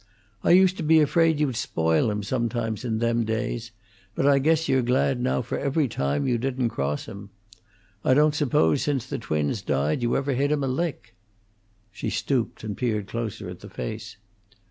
I used to be afraid you'd spoil him sometimes in them days; but I guess you're glad now for every time you didn't cross him. I don't suppose since the twins died you ever hit him a lick." She stooped and peered closer at the face.